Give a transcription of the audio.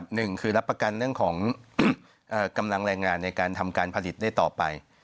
หนึ่งคือรับประกันเรื่องของกำลังแรงงานในการทำการผลิตได้ต่อไป